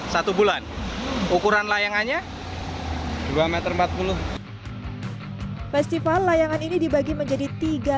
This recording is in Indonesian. satu bulan ukuran layangannya dua meter empat puluh festival layangan ini dibagi menjadi tiga